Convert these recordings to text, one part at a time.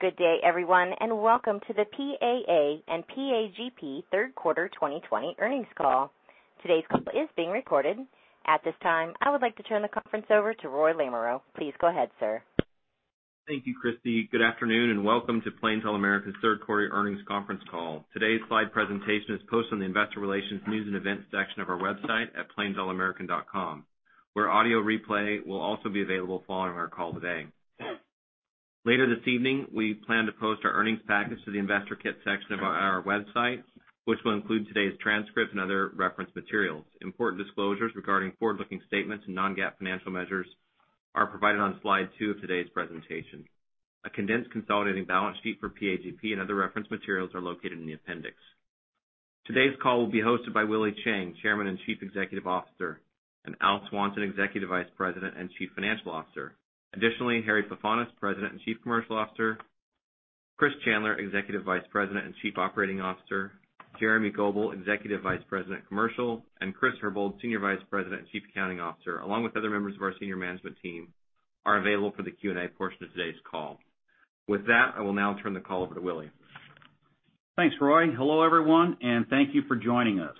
Good day everyone, welcome to the PAA and PAGP third quarter 2020 earnings call. Today's call is being recorded. At this time, I would like to turn the conference over to Roy Lamoreaux. Please go ahead, sir. Thank you, Christie. Good afternoon and welcome to Plains All American's third quarter earnings conference call. Today's slide presentation is posted on the investor relations news and events section of our website at plainsallamerican.com, where audio replay will also be available following our call today. Later this evening, we plan to post our earnings package to the investor kit section of our website, which will include today's transcript and other reference materials. Important disclosures regarding forward-looking statements and non-GAAP financial measures are provided on slide two of today's presentation. A condensed consolidated balance sheet for PAGP and other reference materials are located in the appendix. Today's call will be hosted by Willie Chiang, Chairman and Chief Executive Officer, and Al Swanson, Executive Vice President and Chief Financial Officer. Additionally, Harry Pefanis, President and Chief Commercial Officer, Chris Chandler, Executive Vice President and Chief Operating Officer, Jeremy Goebel, Executive Vice President Commercial, and Chris Herbold, Senior Vice President and Chief Accounting Officer, along with other members of our senior management team, are available for the Q&A portion of today's call. With that, I will now turn the call over to Willie. Thanks, Roy. Hello everyone, and thank you for joining us.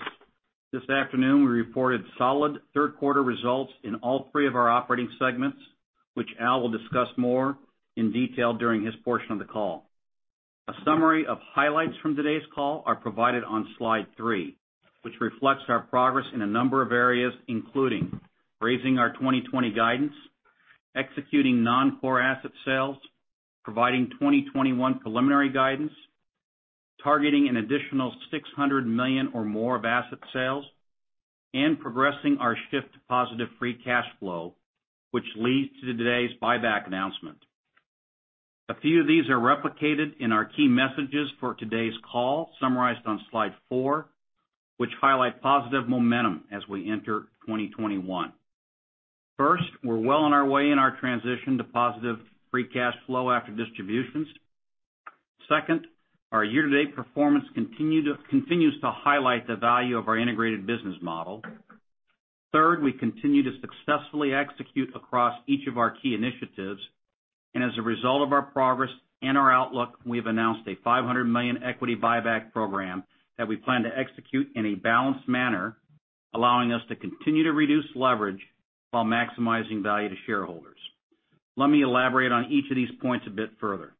This afternoon, we reported solid third quarter results in all three of our operating segments, which Al will discuss more in detail during his portion of the call. A summary of highlights from today's call are provided on slide three, which reflects our progress in a number of areas, including raising our 2020 guidance, executing non-core asset sales, providing 2021 preliminary guidance, targeting an additional $600 million or more of asset sales, and progressing our shift to positive free cash flow, which leads to today's buyback announcement. A few of these are replicated in our key messages for today's call, summarized on slide four, which highlight positive momentum as we enter 2021. First, we're well on our way in our transition to positive free cash flow after distributions. Second, our year-to-date performance continues to highlight the value of our integrated business model. Third, we continue to successfully execute across each of our key initiatives. As a result of our progress and our outlook, we've announced a $500 million equity buyback program that we plan to execute in a balanced manner, allowing us to continue to reduce leverage while maximizing value to shareholders. Let me elaborate on each of these points a bit further.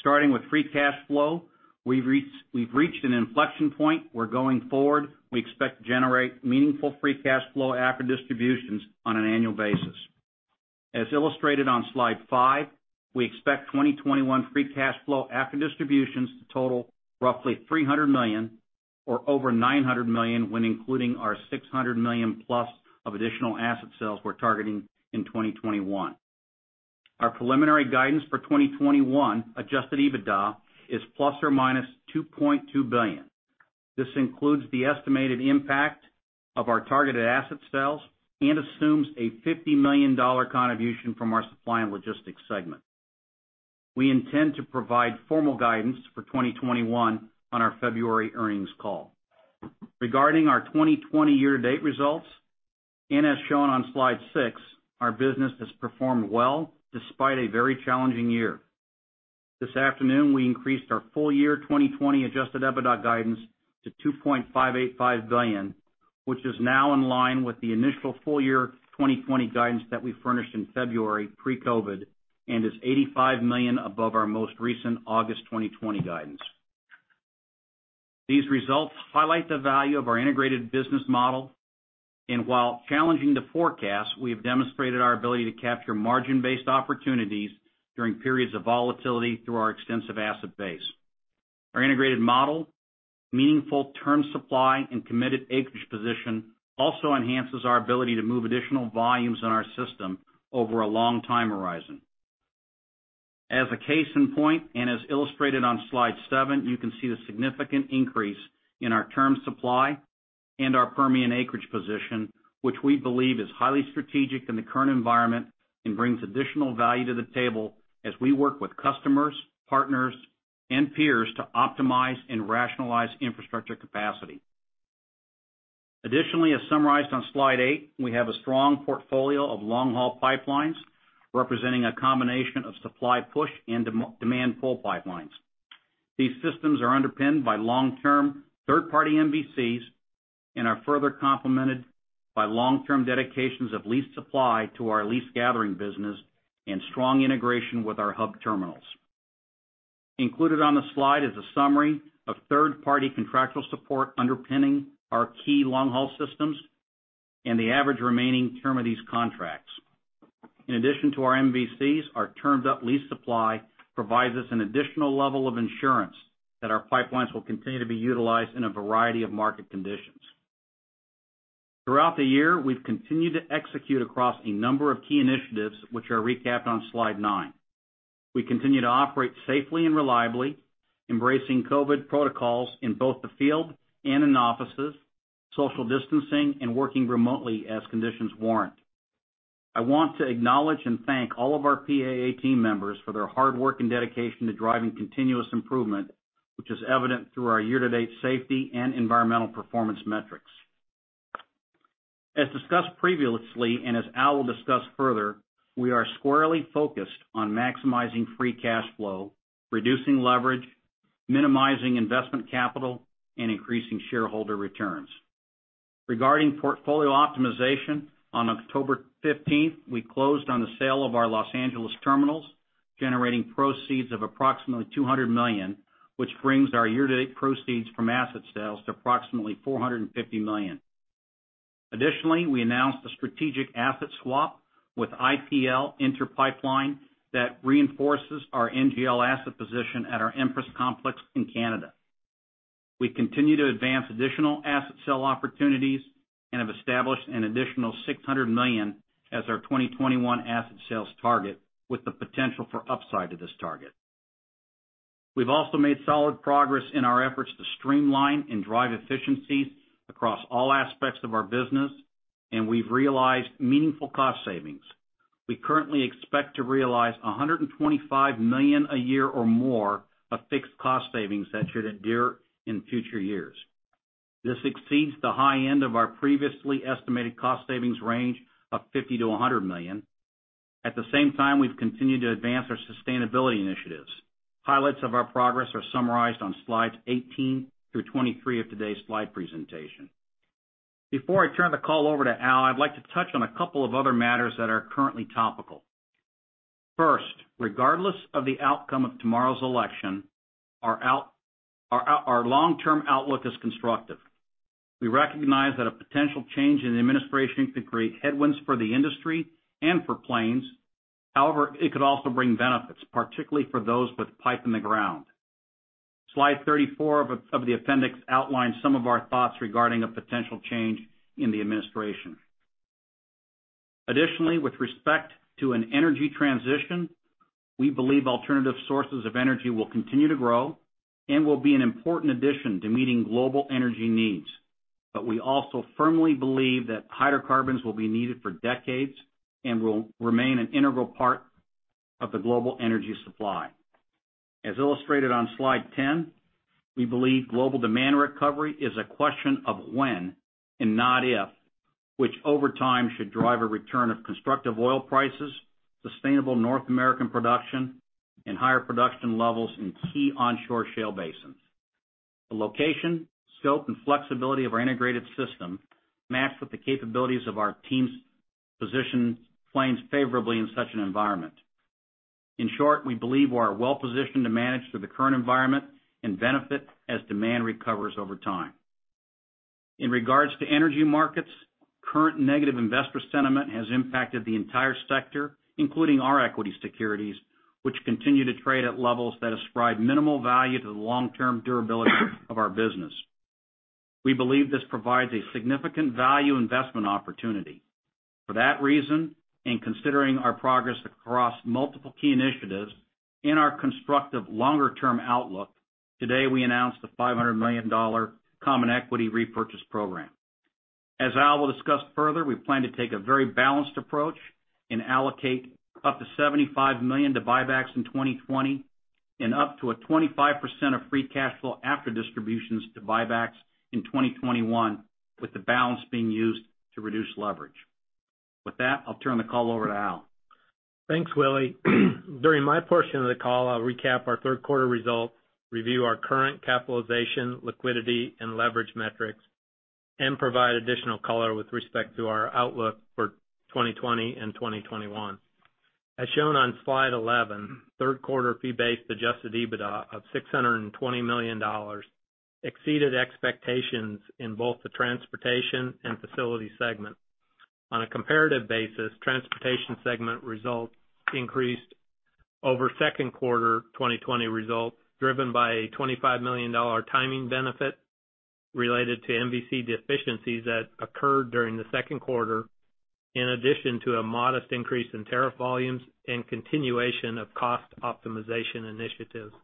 Starting with free cash flow, we've reached an inflection point where going forward, we expect to generate meaningful free cash flow after distributions on an annual basis. As illustrated on slide five, we expect 2021 free cash flow after distributions to total roughly $300 million or over $900 million when including our $600 million-plus of additional asset sales we're targeting in 2021. Our preliminary guidance for 2021 adjusted EBITDA is ±$2.2 billion. This includes the estimated impact of our targeted asset sales and assumes a $50 million contribution from our Supply and Logistics segment. We intend to provide formal guidance for 2021 on our February earnings call. Regarding our 2020 year-to-date results, and as shown on slide six, our business has performed well despite a very challenging year. This afternoon, we increased our full year 2020 adjusted EBITDA guidance to $2.585 billion, which is now in line with the initial full year 2020 guidance that we furnished in February pre-COVID and is $85 million above our most recent August 2020 guidance. These results highlight the value of our integrated business model, and while challenging to forecast, we have demonstrated our ability to capture margin-based opportunities during periods of volatility through our extensive asset base. Our integrated model, meaningful term supply, and committed acreage position also enhances our ability to move additional volumes in our system over a long time horizon. As a case in point, and as illustrated on slide seven, you can see the significant increase in our term supply and our Permian acreage position, which we believe is highly strategic in the current environment and brings additional value to the table as we work with customers, partners, and peers to optimize and rationalize infrastructure capacity. Additionally, as summarized on slide eight, we have a strong portfolio of long-haul pipelines representing a combination of supply push and demand pull pipelines. These systems are underpinned by long-term third-party MVCs and are further complemented by long-term dedications of lease supply to our lease gathering business and strong integration with our hub terminals. Included on the slide is a summary of third-party contractual support underpinning our key long-haul systems and the average remaining term of these contracts. In addition to our MVCs, our termed-up lease supply provides us an additional level of insurance that our pipelines will continue to be utilized in a variety of market conditions. Throughout the year, we've continued to execute across a number of key initiatives, which are recapped on slide nine. We continue to operate safely and reliably, embracing COVID protocols in both the field and in offices, social distancing, and working remotely as conditions warrant. I want to acknowledge and thank all of our PAA team members for their hard work and dedication to driving continuous improvement, which is evident through our year-to-date safety and environmental performance metrics. As discussed previously, and as Al will discuss further, we are squarely focused on maximizing free cash flow, reducing leverage, minimizing investment capital, and increasing shareholder returns. Regarding portfolio optimization, on October 15th, we closed on the sale of our Los Angeles terminals, generating proceeds of approximately $200 million, which brings our year-to-date proceeds from asset sales to approximately $450 million. Additionally, we announced a strategic asset swap with IPL, Inter Pipeline, that reinforces our NGL asset position at our Empress complex in Canada. We continue to advance additional asset sale opportunities and have established an additional $600 million as our 2021 asset sales target with the potential for upside to this target. We've also made solid progress in our efforts to streamline and drive efficiencies across all aspects of our business, and we've realized meaningful cost savings. We currently expect to realize $125 million a year or more of fixed cost savings that should endure in future years. This exceeds the high end of our previously estimated cost savings range of $50 million-$100 million. At the same time, we've continued to advance our sustainability initiatives. Highlights of our progress are summarized on slides 18 through 23 of today's slide presentation. Before I turn the call over to Al, I'd like to touch on a couple of other matters that are currently topical. First, regardless of the outcome of tomorrow's election, our long-term outlook is constructive. We recognize that a potential change in the administration could create headwinds for the industry and for Plains. However, it could also bring benefits, particularly for those with pipe in the ground. Slide 34 of the appendix outlines some of our thoughts regarding a potential change in the administration. Additionally, with respect to an energy transition, we believe alternative sources of energy will continue to grow and will be an important addition to meeting global energy needs. We also firmly believe that hydrocarbons will be needed for decades and will remain an integral part of the global energy supply. As illustrated on slide 10, we believe global demand recovery is a question of when and not if, which over time should drive a return of constructive oil prices, sustainable North American production, and higher production levels in key onshore shale basins. The location, scope, and flexibility of our integrated system matched with the capabilities of our teams position Plains favorably in such an environment. In short, we believe we are well-positioned to manage through the current environment and benefit as demand recovers over time. In regards to energy markets, current negative investor sentiment has impacted the entire sector, including our equity securities, which continue to trade at levels that ascribe minimal value to the long-term durability of our business. We believe this provides a significant value investment opportunity. For that reason, in considering our progress across multiple key initiatives in our constructive longer-term outlook, today we announced a $500 million common equity repurchase program. As Al will discuss further, we plan to take a very balanced approach and allocate up to $75 million to buybacks in 2020 and up to a 25% of free cash flow after distributions to buybacks in 2021, with the balance being used to reduce leverage. With that, I'll turn the call over to Al. Thanks, Willie. During my portion of the call, I'll recap our third quarter results, review our current capitalization, liquidity, and leverage metrics, and provide additional color with respect to our outlook for 2020 and 2021. As shown on slide 11, third quarter fee-based adjusted EBITDA of $620 million exceeded expectations in both the transportation and facility segment. On a comparative basis, transportation segment results increased over second quarter 2020 results, driven by a $25 million timing benefit related to MVC deficiencies that occurred during the second quarter, in addition to a modest increase in tariff volumes and continuation of cost optimization initiatives.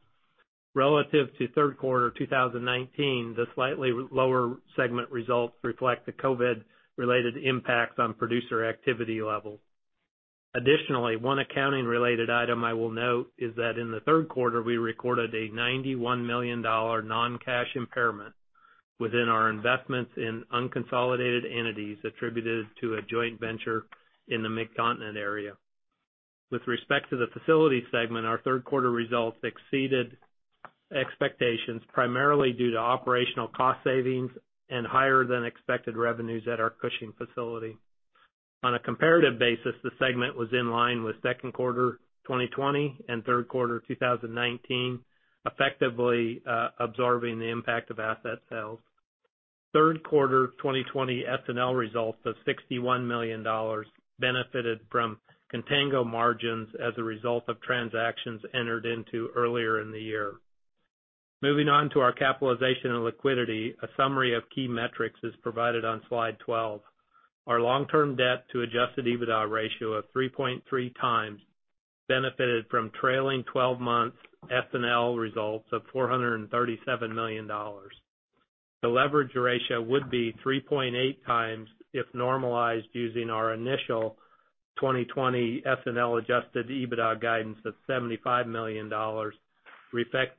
Relative to third quarter 2019, the slightly lower segment results reflect the COVID-related impacts on producer activity levels. Additionally, one accounting-related item I will note is that in the third quarter, we recorded a $91 million non-cash impairment within our investments in unconsolidated entities attributed to a joint venture in the Midcontinent area. With respect to the facility segment, our third quarter results exceeded expectations primarily due to operational cost savings and higher than expected revenues at our Cushing facility. On a comparative basis, the segment was in line with second quarter 2020 and third quarter 2019, effectively absorbing the impact of asset sales. Third quarter 2020 S&L results of $61 million benefited from contango margins as a result of transactions entered into earlier in the year. Moving on to our capitalization and liquidity, a summary of key metrics is provided on slide 12. Our long-term debt to adjusted EBITDA ratio of 3.3x benefited from trailing 12 months S&L results of $437 million. The leverage ratio would be 3.8x if normalized using our initial 2020 S&L adjusted EBITDA guidance of $75 million,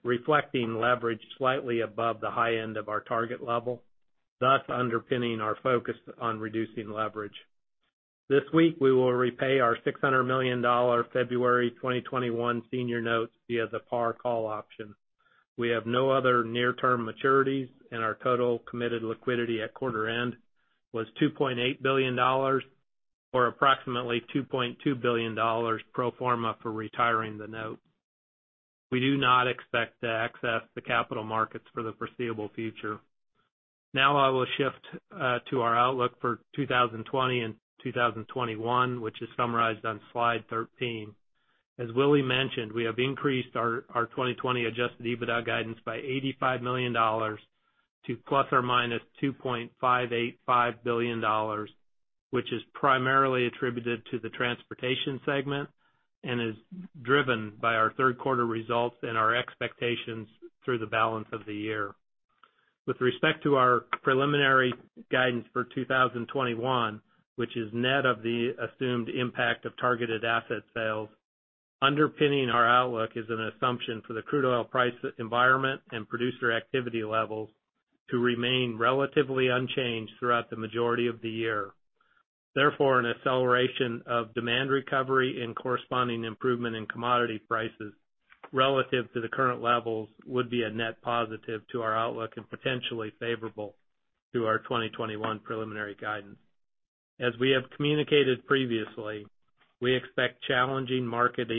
reflecting leverage slightly above the high end of our target level, thus underpinning our focus on reducing leverage. This week, we will repay our $600 million February 2021 senior notes via the par call option. We have no other near-term maturities, and our total committed liquidity at quarter end was $2.8 billion, or approximately $2.2 billion pro forma for retiring the note. We do not expect to access the capital markets for the foreseeable future. Now I will shift to our outlook for 2020 and 2021, which is summarized on slide 13. As Willie mentioned, we have increased our 2020 adjusted EBITDA guidance by $85 million to ±$2.585 billion, which is primarily attributed to the transportation segment and is driven by our third quarter results and our expectations through the balance of the year. With respect to our preliminary guidance for 2021, which is net of the assumed impact of targeted asset sales, underpinning our outlook is an assumption for the crude oil price environment and producer activity levels to remain relatively unchanged throughout the majority of the year. An acceleration of demand recovery and corresponding improvement in commodity prices relative to the current levels would be a net positive to our outlook and potentially favorable to our 2021 preliminary guidance. As we have communicated previously, we expect challenging market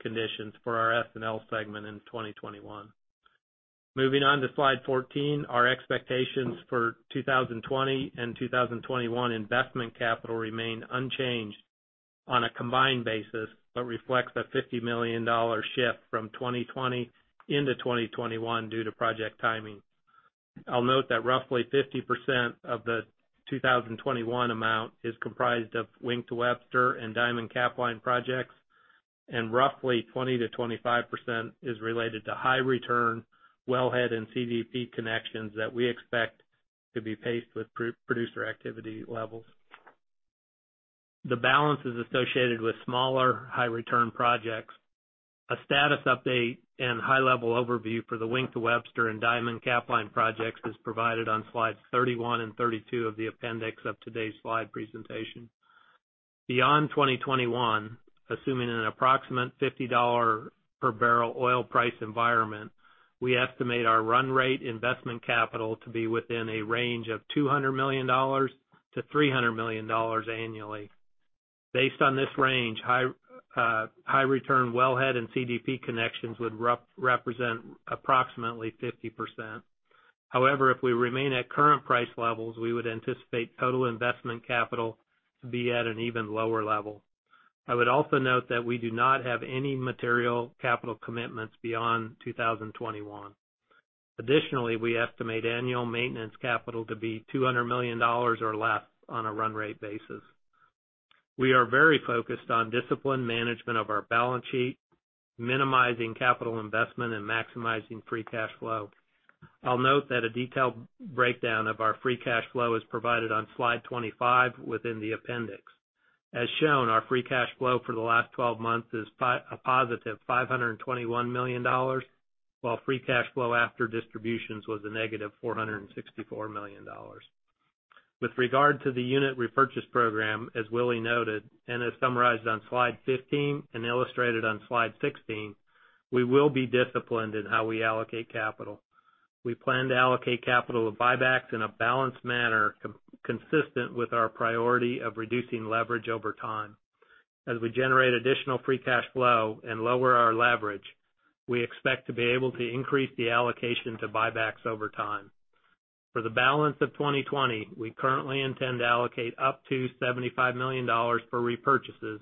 conditions for our S&L segment in 2021. Moving on to slide 14, our expectations for 2020 and 2021 investment capital remain unchanged on a combined basis, but reflects a $50 million shift from 2020 into 2021 due to project timing. I'll note that roughly 50% of the 2021 amount is comprised of Wink to Webster and Diamond-Capline projects, and roughly 20%-25% is related to high return wellhead and CDP connections that we expect to be paced with producer activity levels. The balance is associated with smaller high return projects. A status update and high-level overview for the Wink to Webster and Diamond-Capline projects is provided on slides 31 and 32 of the appendix of today's slide presentation. Beyond 2021, assuming an approximate $50 per barrel oil price environment, we estimate our run rate investment capital to be within a range of $200 million-$300 million annually. Based on this range, high return wellhead and CDP connections would represent approximately 50%. If we remain at current price levels, we would anticipate total investment capital to be at an even lower level. I would also note that we do not have any material capital commitments beyond 2021. We estimate annual maintenance capital to be $200 million or less on a run rate basis. We are very focused on disciplined management of our balance sheet, minimizing capital investment, and maximizing free cash flow. I'll note that a detailed breakdown of our free cash flow is provided on slide 25 within the appendix. Our free cash flow for the last 12 months is a positive $521 million, while free cash flow after distributions was a negative $464 million. With regard to the unit repurchase program, as Willie noted and is summarized on slide 15 and illustrated on slide 16, we will be disciplined in how we allocate capital. We plan to allocate capital to buybacks in a balanced manner consistent with our priority of reducing leverage over time. As we generate additional free cash flow and lower our leverage, we expect to be able to increase the allocation to buybacks over time. For the balance of 2020, we currently intend to allocate up to $75 million for repurchases,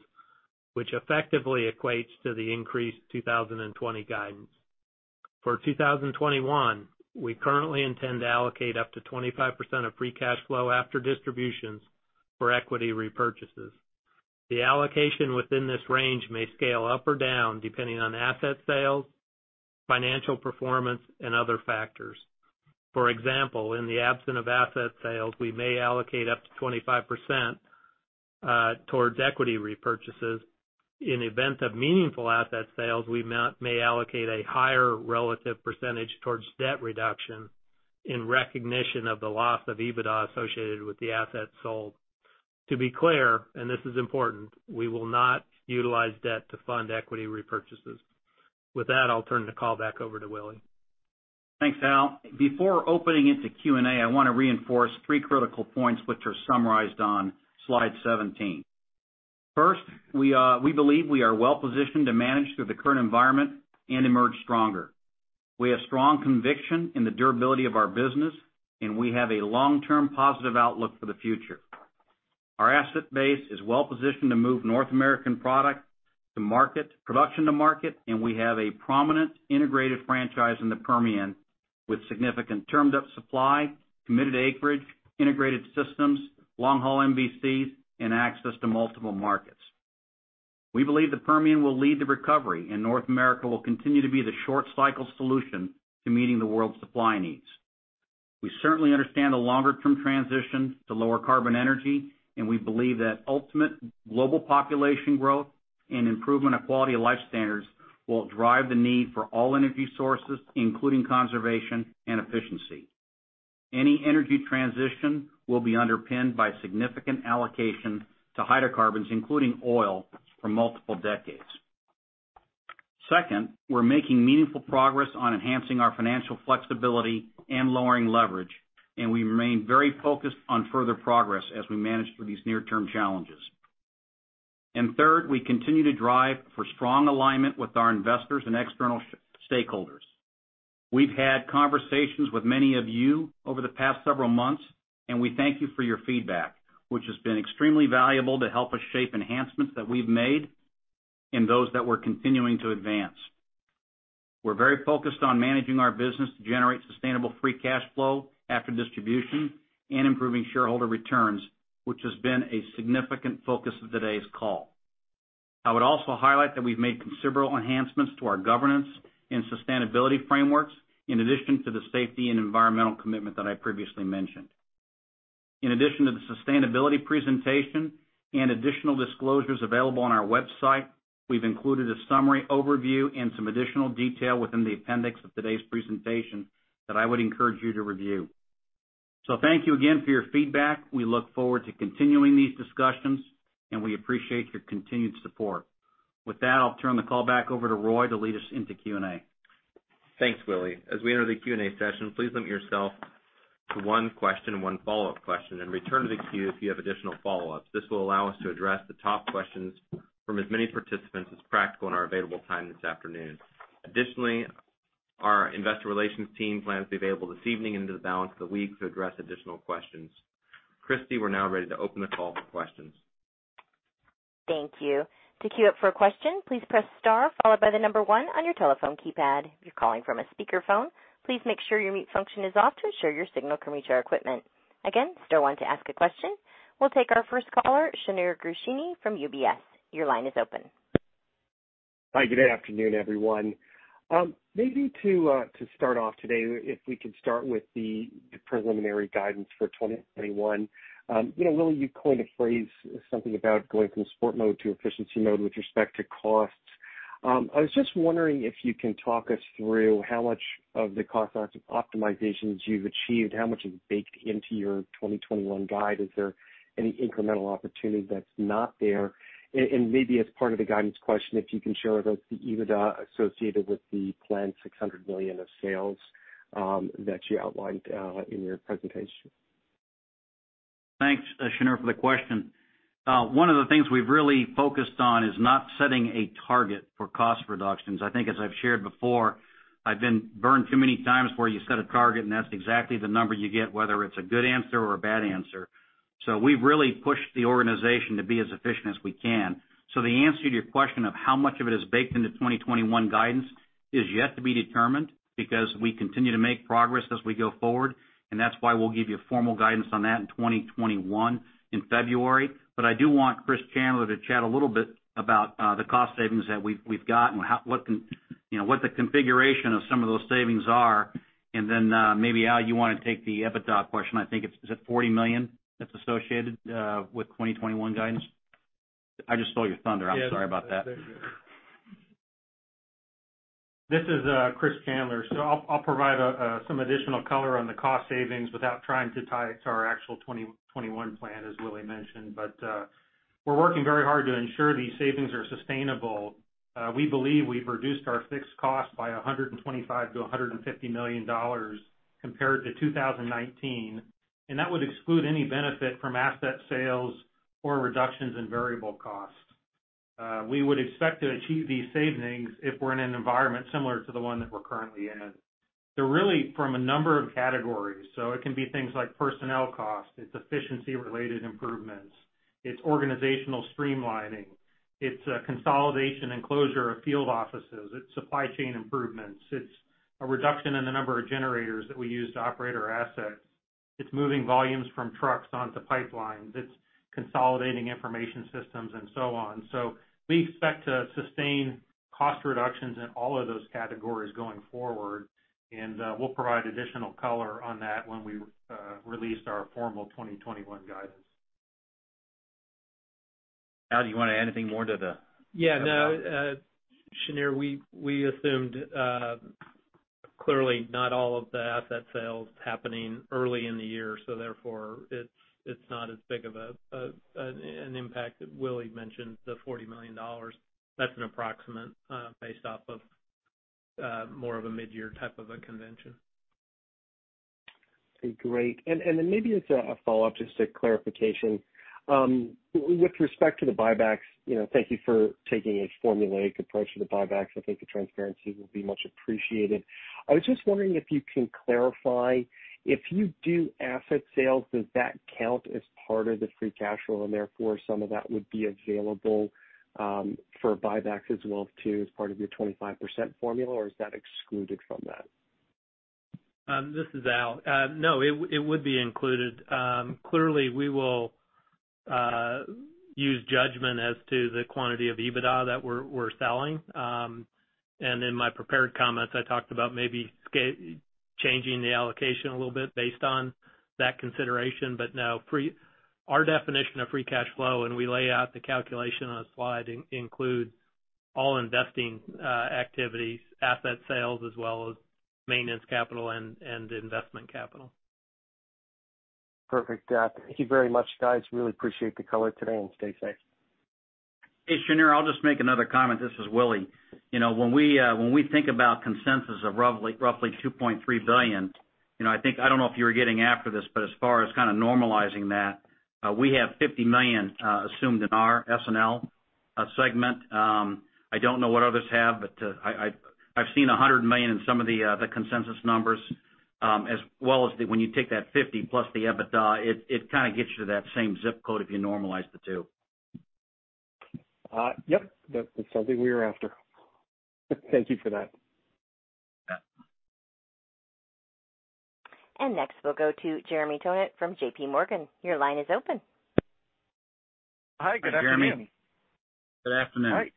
which effectively equates to the increased 2020 guidance. For 2021, we currently intend to allocate up to 25% of free cash flow after distributions for equity repurchases. The allocation within this range may scale up or down depending on asset sales, financial performance, and other factors. For example, in the absence of asset sales, we may allocate up to 25% towards equity repurchases. In event of meaningful asset sales, we may allocate a higher relative percentage towards debt reduction in recognition of the loss of EBITDA associated with the assets sold. To be clear, and this is important, we will not utilize debt to fund equity repurchases. With that, I'll turn the call back over to Willie. Thanks, Al. Before opening it to Q&A, I want to reinforce three critical points which are summarized on slide 17. First, we believe we are well-positioned to manage through the current environment and emerge stronger. We have strong conviction in the durability of our business, and we have a long-term positive outlook for the future. Our asset base is well-positioned to move North American production to market, and we have a prominent integrated franchise in the Permian with significant termed-up supply, committed acreage, integrated systems, long-haul MVCs, and access to multiple markets. We believe the Permian will lead the recovery, and North America will continue to be the short cycle solution to meeting the world's supply needs. We certainly understand the longer-term transition to lower carbon energy, and we believe that ultimate global population growth and improvement of quality of life standards will drive the need for all energy sources, including conservation and efficiency. Any energy transition will be underpinned by significant allocation to hydrocarbons, including oil, for multiple decades. Second, we're making meaningful progress on enhancing our financial flexibility and lowering leverage, and we remain very focused on further progress as we manage through these near-term challenges. Third, we continue to drive for strong alignment with our investors and external stakeholders. We've had conversations with many of you over the past several months, and we thank you for your feedback, which has been extremely valuable to help us shape enhancements that we've made and those that we're continuing to advance. We're very focused on managing our business to generate sustainable free cash flow after distribution and improving shareholder returns, which has been a significant focus of today's call. I would also highlight that we've made considerable enhancements to our governance and sustainability frameworks, in addition to the safety and environmental commitment that I previously mentioned. In addition to the sustainability presentation and additional disclosures available on our website, we've included a summary overview and some additional detail within the appendix of today's presentation that I would encourage you to review. Thank you again for your feedback. We look forward to continuing these discussions, and we appreciate your continued support. With that, I'll turn the call back over to Roy to lead us into Q&A. Thanks, Willie. As we enter the Q&A session, please limit yourself to one question and one follow-up question, return to the queue if you have additional follow-ups. This will allow us to address the top questions from as many participants as practical in our available time this afternoon. Our investor relations team plans to be available this evening into the balance of the week to address additional questions. Christie, we're now ready to open the call for questions. Thank you. To queue up for a question, please press star followed by the number one on your telephone keypad. If you're calling from a speakerphone, please make sure your mute function is off to ensure your signal can reach our equipment. Again, star one to ask a question. We'll take our first caller, Shneur Gershuni from UBS. Your line is open. Hi. Good afternoon, everyone. To start off today, if we could start with the preliminary guidance for 2021. Willie, you coined a phrase, something about going from sport mode to efficiency mode with respect to costs. I was just wondering if you can talk us through how much of the cost optimizations you've achieved, how much is baked into your 2021 guide? Is there any incremental opportunity that's not there? As part of the guidance question, if you can share with us the EBITDA associated with the planned $600 million of sales that you outlined in your presentation. Thanks, Shneur, for the question. One of the things we've really focused on is not setting a target for cost reductions. I think as I've shared before, I've been burned too many times where you set a target, and that's exactly the number you get, whether it's a good answer or a bad answer. We've really pushed the organization to be as efficient as we can. The answer to your question of how much of it is baked into 2021 guidance is yet to be determined because we continue to make progress as we go forward, and that's why we'll give you formal guidance on that in 2021 in February. I do want Chris Chandler to chat a little bit about the cost savings that we've gotten, what the configuration of some of those savings are, and then maybe, Al, you want to take the EBITDA question. I think it's at $40 million that's associated with 2021 guidance. I just stole your thunder. I'm sorry about that. This is Chris Chandler. I'll provide some additional color on the cost savings without trying to tie it to our actual 2021 plan, as Willie mentioned. We're working very hard to ensure these savings are sustainable. We believe we've reduced our fixed cost by $125 million to $150 million compared to 2019, and that would exclude any benefit from asset sales or reductions in variable costs. We would expect to achieve these savings if we're in an environment similar to the one that we're currently in. They're really from a number of categories. It can be things like personnel costs, it's efficiency-related improvements, it's organizational streamlining, it's consolidation and closure of field offices, it's supply chain improvements, it's a reduction in the number of generators that we use to operate our assets. It's moving volumes from trucks onto pipelines. It's consolidating information systems and so on. We expect to sustain cost reductions in all of those categories going forward, and we'll provide additional color on that when we release our formal 2021 guidance. Al, do you want to add anything more? Yeah. Shneur, we assumed, clearly not all of the asset sales happening early in the year, therefore it's not as big of an impact that Willie mentioned, the $40 million. That's an approximate based off of more of a mid-year type of a convention. Okay, great. Then maybe as a follow-up, just a clarification. With respect to the buybacks, thank you for taking a formulaic approach to the buybacks. I think the transparency will be much appreciated. I was just wondering if you can clarify, if you do asset sales, does that count as part of the free cash flow, and therefore some of that would be available for buybacks as well too, as part of your 25% formula, or is that excluded from that? This is Al. It would be included. Clearly, we will use judgment as to the quantity of EBITDA that we're selling. In my prepared comments, I talked about maybe changing the allocation a little bit based on that consideration. Our definition of free cash flow, and we lay out the calculation on a slide, includes all investing activities, asset sales, as well as maintenance capital and investment capital. Perfect. Thank you very much, guys. Really appreciate the color today, and stay safe. Hey, Shneur, I'll just make another comment. This is Willie. We think about consensus of roughly $2.3 billion, I don't know if you were getting after this, but as far as normalizing that, we have $50 million assumed in our S&L segment. I don't know what others have, but I've seen $100 million in some of the consensus numbers, as well as when you take that $50+ the EBITDA, it kind of gets you to that same zip code if you normalize the two. Yep. That's something we were after. Thank you for that. Yeah. Next, we'll go to Jeremy Tonet from J.P. Morgan. Your line is open. Hi, good afternoon. Hi, Jeremy. Good afternoon. Hi.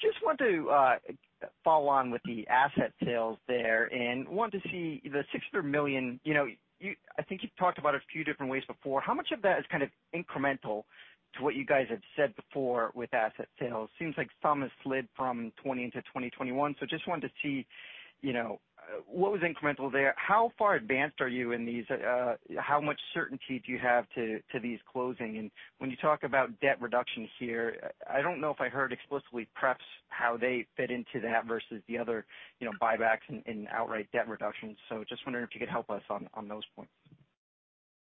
Just wanted to follow on with the asset sales there and want to see the $600 million. I think you've talked about it a few different ways before. How much of that is kind of incremental to what you guys had said before with asset sales? Seems like some has slid from 2020 into 2021. Just wanted to see what was incremental there. How far advanced are you in these? How much certainty do you have to these closing? When you talk about debt reduction here, I don't know if I heard explicitly, perhaps, how they fit into that versus the other buybacks and outright debt reductions. Just wondering if you could help us on those points.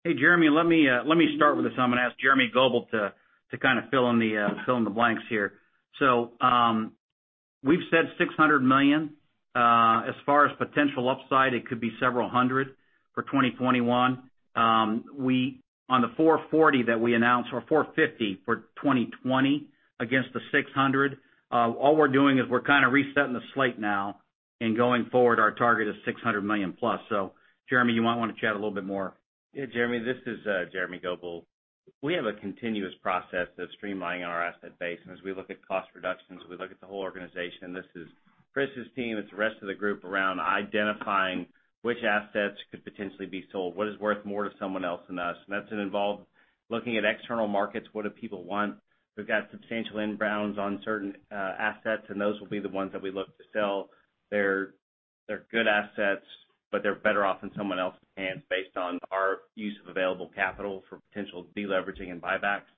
Hey, Jeremy, let me start with this, and I'm going to ask Jeremy Goebel to fill in the blanks here. We've said $600 million. As far as potential upside, it could be several hundred for 2021. On the $440 that we announced, or $450 for 2020 against the $600, all we're doing is we're kind of resetting the slate now, and going forward, our target is $600 million plus. Jeremy, you might want to chat a little bit more. Jeremy, this is Jeremy Goebel. We have a continuous process of streamlining our asset base, and as we look at cost reductions, we look at the whole organization. This is Chris's team, it's the rest of the group around identifying which assets could potentially be sold, what is worth more to someone else than us. That's involved looking at external markets. What do people want? We've got substantial inbounds on certain assets, those will be the ones that we look to sell. They're good assets, they're better off in someone else's hands based on our use of available capital for potential deleveraging and buybacks.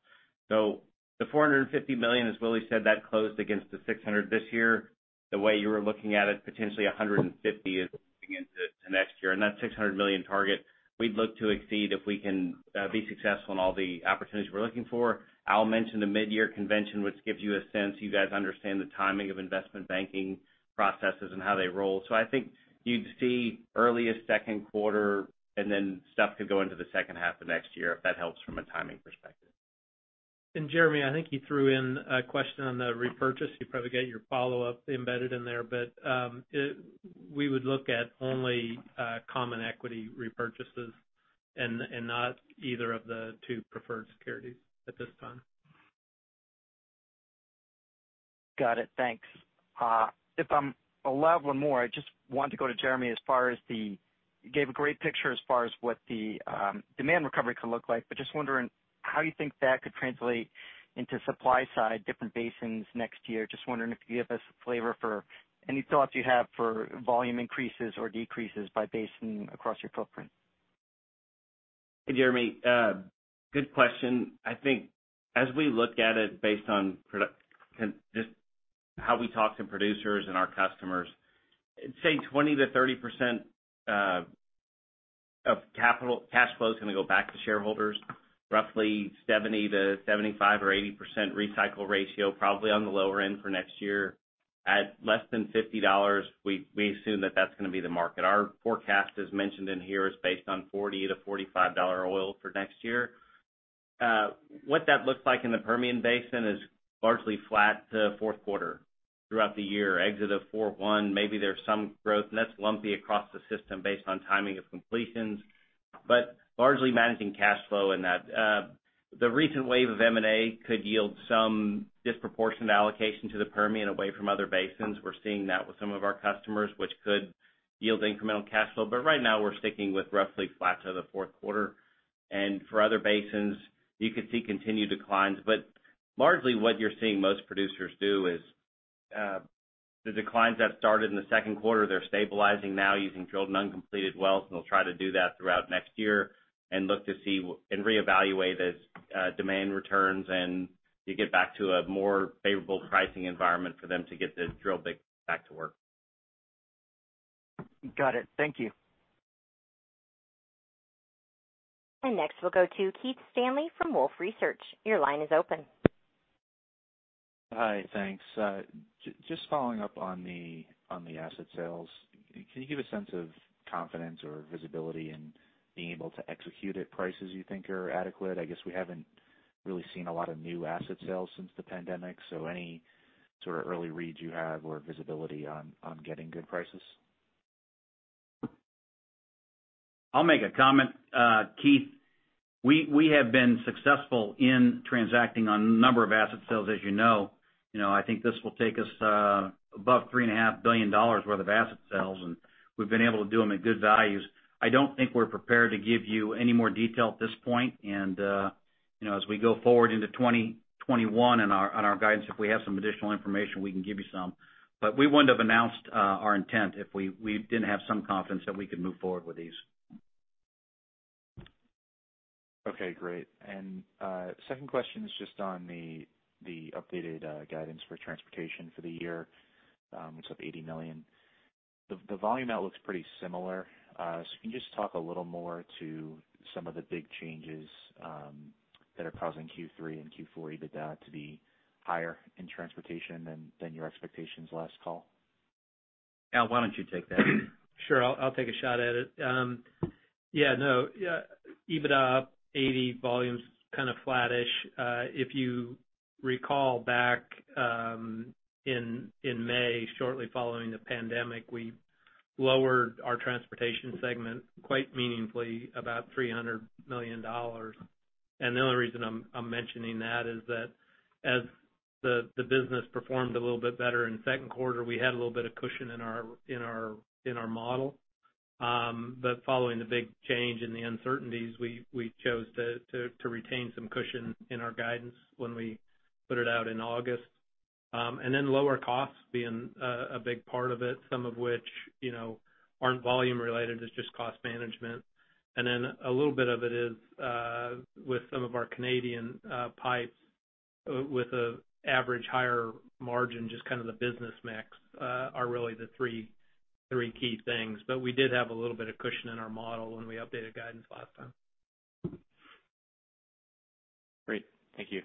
The $450 million, as Willie said, that closed against the $600 this year. The way you were looking at it, potentially $150 is moving into next year. That $600 million target, we'd look to exceed if we can be successful in all the opportunities we're looking for. Al mentioned the mid-year convention, which gives you a sense. You guys understand the timing of investment banking processes and how they roll. I think you'd see early as second quarter, and then stuff could go into the second half of next year, if that helps from a timing perspective. Jeremy, I think you threw in a question on the repurchase. You probably got your follow-up embedded in there, but we would look at only common equity repurchases and not either of the two preferred securities at this time. Got it, thanks. If I'm allowed one more, I just wanted to go to Jeremy. You gave a great picture as far as what the demand recovery could look like, but just wondering how you think that could translate into supply side different basins next year. Just wondering if you could give us a flavor for any thoughts you have for volume increases or decreases by basin across your footprint. Hey, Jeremy. Good question. I think as we look at it based on just how we talk to producers and our customers, I'd say 20%-30% of cash flow is going to go back to shareholders. Roughly 70%-75% or 80% recycle ratio, probably on the lower end for next year. At less than $50, we assume that that's going to be the market. Our forecast, as mentioned in here, is based on $40-$45 oil for next year. What that looks like in the Permian Basin is largely flat to fourth quarter throughout the year. Exit of 4.1, maybe there's some growth, and that's lumpy across the system based on timing of completions, but largely managing cash flow in that. The recent wave of M&A could yield some disproportionate allocation to the Permian away from other basins. We're seeing that with some of our customers, which could yield incremental cash flow. Right now, we're sticking with roughly flat to the fourth quarter. For other basins, you could see continued declines. Largely what you're seeing most producers do is the declines that started in the second quarter, they're stabilizing now using drilled and uncompleted wells, and they'll try to do that throughout next year and look to see and reevaluate as demand returns and you get back to a more favorable pricing environment for them to get the drill bit back to work. Got it. Thank you. Next, we'll go to Keith Stanley from Wolfe Research. Your line is open. Hi. Thanks. Just following up on the asset sales. Can you give a sense of confidence or visibility in being able to execute at prices you think are adequate? I guess we haven't really seen a lot of new asset sales since the pandemic. Any sort of early reads you have or visibility on getting good prices? I'll make a comment, Keith. We have been successful in transacting on a number of asset sales, as you know. I think this will take us above $3.5 billion worth of asset sales, and we've been able to do them at good values. I don't think we're prepared to give you any more detail at this point. As we go forward into 2021 on our guidance, if we have some additional information, we can give you some. We wouldn't have announced our intent if we didn't have some confidence that we could move forward with these. Okay, great. Second question is just on the updated guidance for transportation for the year. It's up $80 million. The volume now looks pretty similar. Can you just talk a little more to some of the big changes that are causing Q3 and Q4 EBITDA to be higher in transportation than your expectations last call? Al, why don't you take that? Sure. I'll take a shot at it. Yeah. EBITDA up $80, volume's kind of flat-ish. If you recall back in May, shortly following the pandemic, we lowered our transportation segment quite meaningfully, about $300 million. The only reason I'm mentioning that is that as the business performed a little bit better in the second quarter, we had a little bit of cushion in our model. Following the big change in the uncertainties, we chose to retain some cushion in our guidance when we put it out in August. Lower costs being a big part of it, some of which aren't volume related, it's just cost management. A little bit of it is with some of our Canadian pipes with an average higher margin, just kind of the business mix are really the three key things. We did have a little bit of cushion in our model when we updated guidance last time. Great. Thank you.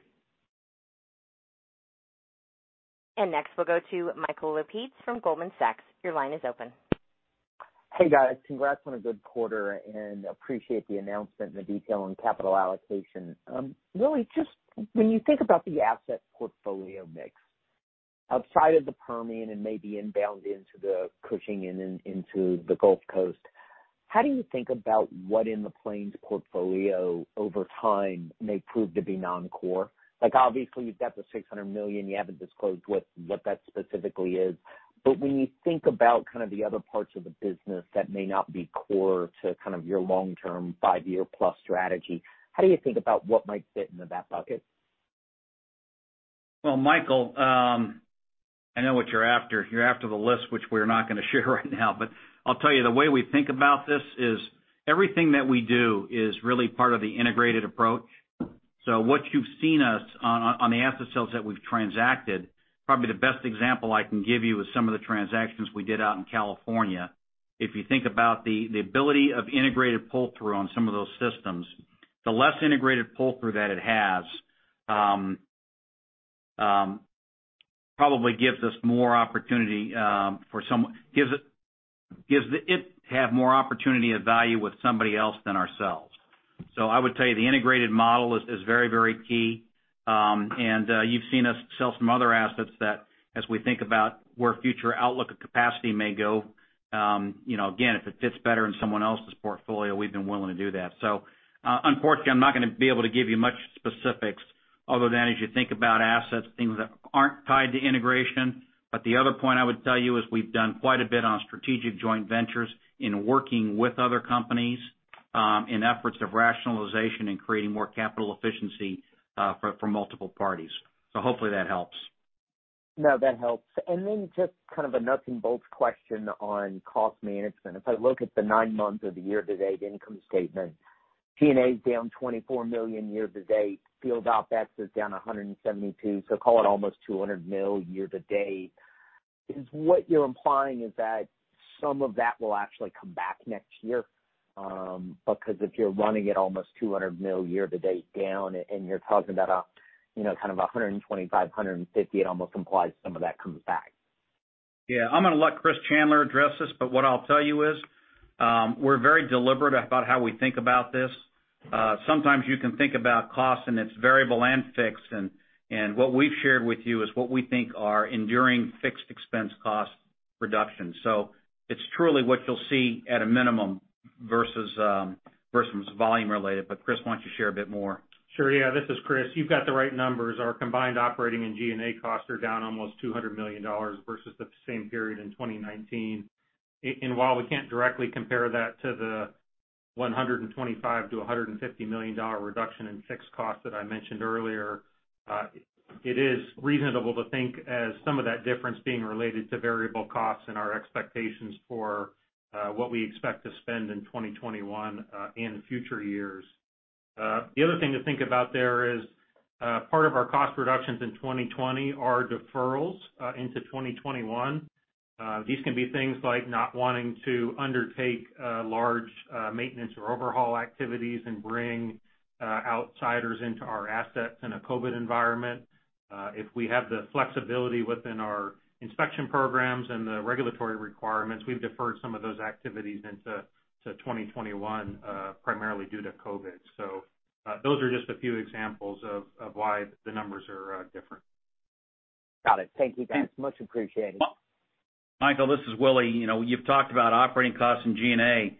Next, we'll go to Michael Lapides from Goldman Sachs. Your line is open. Hey, guys. Congrats on a good quarter, and appreciate the announcement and the detail on capital allocation. Willie, just when you think about the asset portfolio mix outside of the Permian and maybe inbound into the Cushing and into the Gulf Coast, how do you think about what in the Plains portfolio over time may prove to be non-core? Obviously, you've got the $600 million. You haven't disclosed what that specifically is. But when you think about kind of the other parts of the business that may not be core to kind of your long-term five-year-plus strategy, how do you think about what might fit into that bucket? Well, Michael, I know what you're after. You're after the list, which we're not going to share right now. I'll tell you, the way we think about this is everything that we do is really part of the integrated approach. What you've seen us on the asset sales that we've transacted, probably the best example I can give you is some of the transactions we did out in California. If you think about the ability of integrated pull-through on some of those systems, the less integrated pull-through that it has probably gives it have more opportunity of value with somebody else than ourselves. I would tell you the integrated model is very key. You've seen us sell some other assets that as we think about where future outlook of capacity may go, again, if it fits better in someone else's portfolio, we've been willing to do that. Unfortunately, I'm not going to be able to give you much specifics other than as you think about assets, things that aren't tied to integration. The other point I would tell you is we've done quite a bit on strategic joint ventures in working with other companies in efforts of rationalization and creating more capital efficiency for multiple parties. Hopefully that helps. No, that helps. Then just kind of a nuts and bolts question on cost management. If I look at the nine months of the year-to-date income statement, G&A is down $24 million year-to-date, field OPEX is down $172 million, call it almost $200 million year-to-date. Is what you're implying is that some of that will actually come back next year? If you're running at almost $200 million year-to-date down and you're talking about kind of $125 million, $150 million, it almost implies some of that comes back. Yeah. I'm going to let Chris Chandler address this, but what I'll tell you is we're very deliberate about how we think about this. Sometimes you can think about cost, and it's variable and fixed. What we've shared with you is what we think are enduring fixed expense cost reductions. It's truly what you'll see at a minimum versus volume related. Chris, why don't you share a bit more? Sure. Yeah, this is Chris. You've got the right numbers. Our combined operating and G&A costs are down almost $200 million versus the same period in 2019. While we can't directly compare that to the $125 million to $150 million reduction in fixed costs that I mentioned earlier, it is reasonable to think as some of that difference being related to variable costs and our expectations for what we expect to spend in 2021 and future years. The other thing to think about there is part of our cost reductions in 2020 are deferrals into 2021. These can be things like not wanting to undertake large maintenance or overhaul activities and bring outsiders into our assets in a COVID environment. If we have the flexibility within our inspection programs and the regulatory requirements, we've deferred some of those activities into 2021, primarily due to COVID. Those are just a few examples of why the numbers are different. Got it. Thank you, guys. Much appreciated. Michael, this is Willie. You've talked about operating costs and G&A,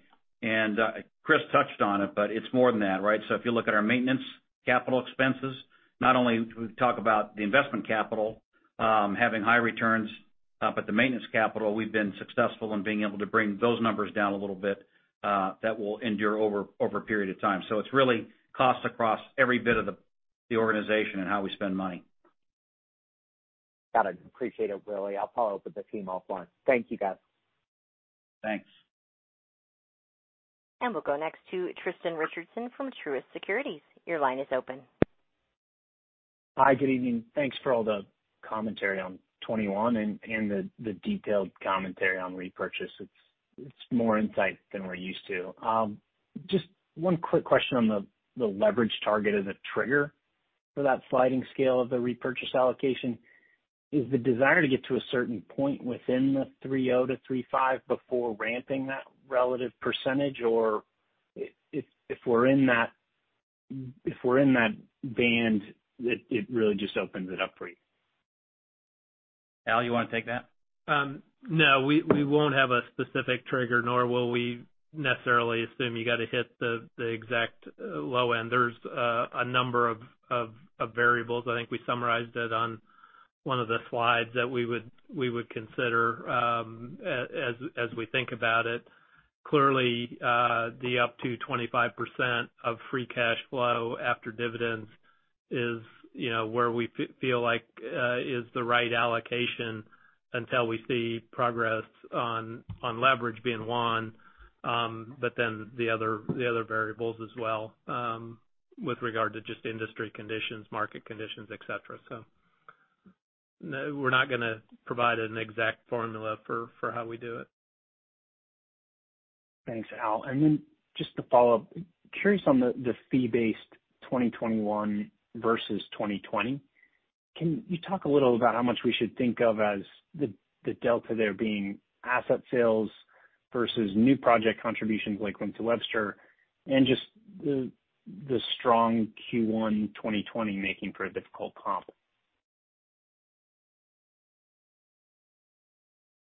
and Chris touched on it, but it's more than that, right? If you look at our maintenance capital expenses, not only do we talk about the investment capital having high returns, but the maintenance capital, we've been successful in being able to bring those numbers down a little bit. That will endure over a period of time. It's really costs across every bit of the organization and how we spend money. Got it. Appreciate it, Willie. I'll follow up with the team offline. Thank you, guys. Thanks. We'll go next to Tristan Richardson from Truist Securities. Your line is open. Hi, good evening. Thanks for all the commentary on 2021 and the detailed commentary on repurchase. It's more insight than we're used to. Just one quick question on the leverage target as a trigger for that sliding scale of the repurchase allocation. Is the desire to get to a certain point within the 3.0-3.5 before ramping that relative percentage? Or if we're in that band, it really just opens it up for you? Al, you want to take that? No, we won't have a specific trigger, nor will we necessarily assume you got to hit the exact low end. There's a number of variables. I think we summarized it on one of the slides that we would consider as we think about it. Clearly, the up to 25% of free cash flow after dividends is where we feel like is the right allocation until we see progress on leverage being one, but then the other variables as well, with regard to just industry conditions, market conditions, et cetera. No, we're not going to provide an exact formula for how we do it. Thanks, Al. Just to follow up, curious on the fee-based 2021 versus 2020. Can you talk a little about how much we should think of as the delta there being asset sales versus new project contributions like Wink to Webster and just the strong Q1 2020 making for a difficult comp?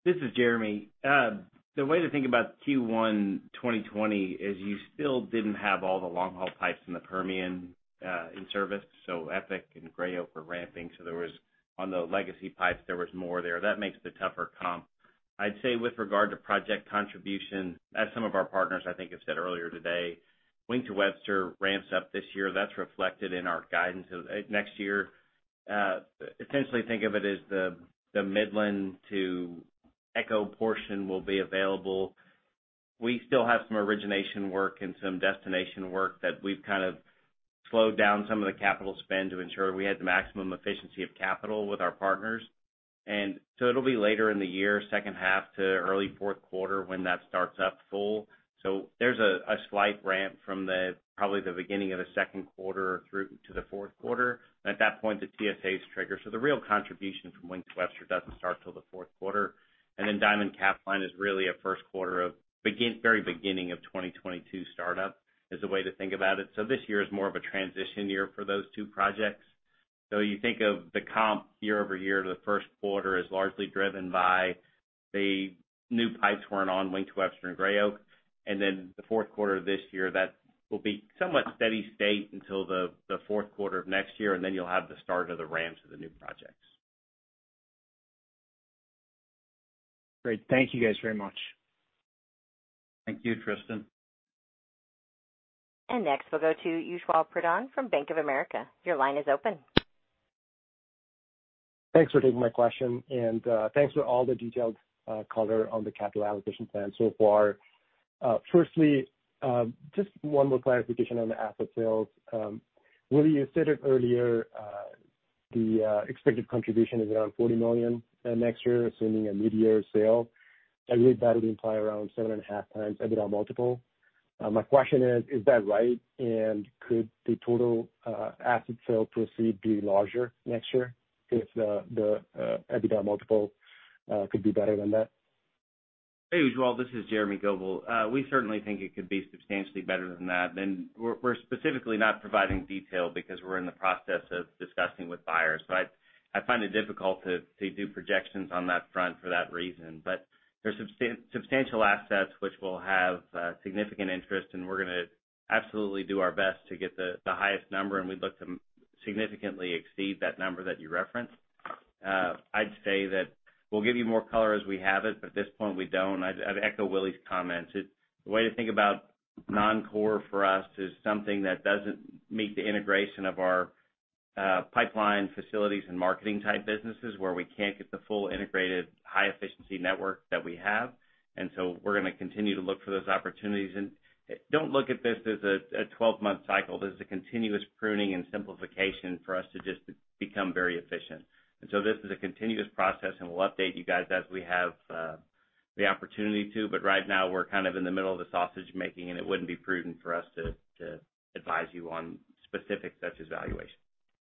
This is Jeremy. The way to think about Q1 2020 is you still didn't have all the long-haul pipes in the Permian in service. EPIC and Gray Oak were ramping. On the legacy pipes, there was more there. That makes the tougher comp. I'd say with regard to project contribution, as some of our partners I think have said earlier today, Wink to Webster ramps up this year. That's reflected in our guidance. Next year, essentially think of it as the Midland to ECHO portion will be available. We still have some origination work and some destination work that we've kind of slowed down some of the capital spend to ensure we had the maximum efficiency of capital with our partners. It'll be later in the year, second half to early fourth quarter, when that starts up full. There's a slight ramp from probably the beginning of the second quarter through to the fourth quarter. At that point, the TSAs trigger. The real contribution from Wink to Webster doesn't start till the fourth quarter. Diamond-Capline is really a first quarter of very beginning of 2022 startup, is the way to think about it. This year is more of a transition year for those two projects. You think of the comp year-over-year to the first quarter is largely driven by the new pipes weren't on Wink to Webster and Gray Oak. The fourth quarter of this year, that will be somewhat steady state until the fourth quarter of next year, and then you'll have the start of the ramps of the new projects. Great. Thank you guys very much. Thank you, Tristan. Next we'll go to Ujjwal Pradhan from Bank of America. Your line is open. Thanks for taking my question, and thanks for all the detailed color on the capital allocation plan so far. Firstly, just one more clarification on the asset sales. Willie, you said it earlier, the expected contribution is around $40 million next year, assuming a midyear sale. I read that would imply around 7.5x EBITDA multiple. My question is that right? And could the total asset sale proceed be larger next year if the EBITDA multiple could be better than that? Hey, Ujjwal, this is Jeremy Goebel. We certainly think it could be substantially better than that, and we're specifically not providing detail because we're in the process of discussing with buyers. I find it difficult to do projections on that front for that reason. There's substantial assets which will have significant interest, and we're going to absolutely do our best to get the highest number, and we'd look to significantly exceed that number that you referenced. I'd say that we'll give you more color as we have it, but at this point we don't. I'd echo Willie's comments. The way to think about non-core for us is something that doesn't meet the integration of our pipeline facilities and marketing type businesses where we can't get the full integrated high efficiency network that we have. We're going to continue to look for those opportunities. Don't look at this as a 12-month cycle. This is a continuous pruning and simplification for us to just become very efficient. This is a continuous process, and we'll update you guys as we have the opportunity to. Right now, we're kind of in the middle of the sausage making, and it wouldn't be prudent for us to advise you on specifics such as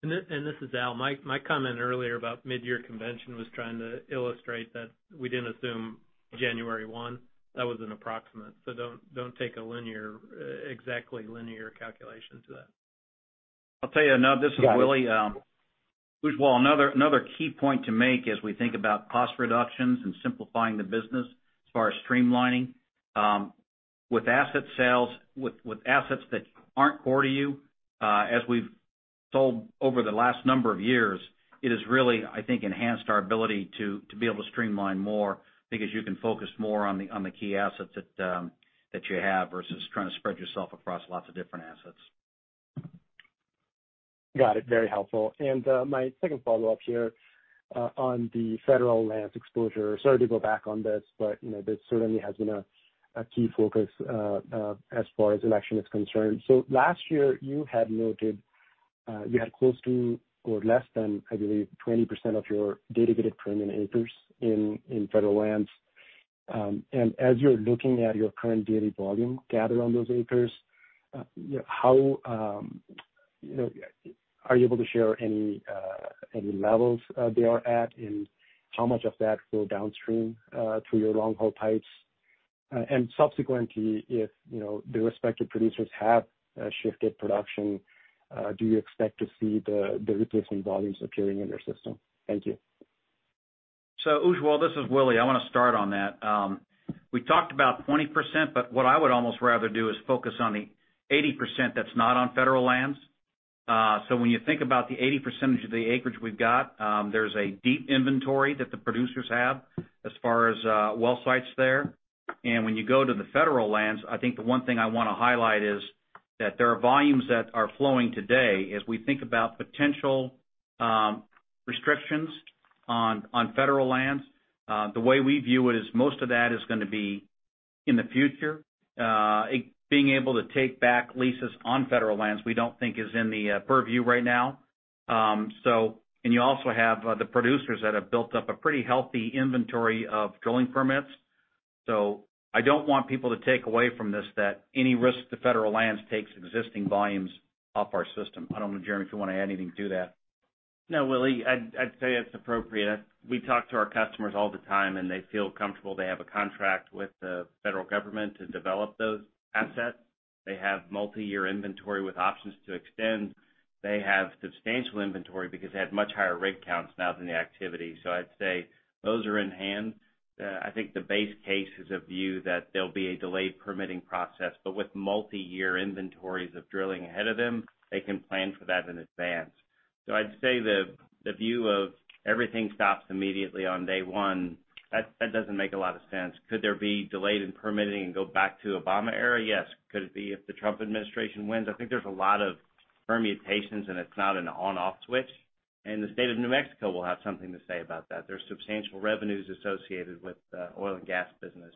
valuation. This is Al. My comment earlier about midyear convention was trying to illustrate that we didn't assume January 1. That was an approximate. Don't take an exact linear calculation to that. I'll tell you now, this is Willie. Ujjwal, another key point to make as we think about cost reductions and simplifying the business as far as streamlining. With asset sales, with assets that aren't core to you, as we've sold over the last number of years, it has really, I think, enhanced our ability to be able to streamline more because you can focus more on the key assets that you have versus trying to spread yourself across lots of different assets. Got it. Very helpful. My second follow-up here on the federal lands exposure. Sorry to go back on this certainly has been a key focus as far as election is concerned. Last year you had noted you had close to or less than, I believe, 20% of your dedicated permanent acres in federal lands. As you're looking at your current daily volume gathered on those acres, are you able to share any levels they are at and how much of that flow downstream through your long-haul pipes? Subsequently, if the respective producers have shifted production, do you expect to see the replacement volumes appearing in your system? Thank you. Ujjwal, this is Willie. I want to start on that. We talked about 20%, but what I would almost rather do is focus on the 80% that's not on federal lands. When you think about the 80% of the acreage we've got, there's a deep inventory that the producers have as far as well sites there. When you go to the federal lands, I think the one thing I want to highlight is that there are volumes that are flowing today as we think about potential restrictions on federal lands. The way we view it is most of that is going to be in the future. Being able to take back leases on federal lands, we don't think is in the purview right now. You also have the producers that have built up a pretty healthy inventory of drilling permits. I don't want people to take away from this that any risk to federal lands takes existing volumes off our system. I don't know, Jeremy, if you want to add anything to that. No, Willie, I'd say it's appropriate. We talk to our customers all the time. They feel comfortable they have a contract with the federal government to develop those assets. They have multi-year inventory with options to extend. They have substantial inventory because they have much higher rig counts now than the activity. I'd say those are in hand. I think the base case is a view that there'll be a delayed permitting process. With multi-year inventories of drilling ahead of them, they can plan for that in advance. I'd say the view of everything stops immediately on day one, that doesn't make a lot of sense. Could there be delayed in permitting and go back to Obama era? Yes. Could it be if the Trump administration wins? I think there's a lot of permutations. It's not an on-off switch. The state of New Mexico will have something to say about that. There's substantial revenues associated with oil and gas business.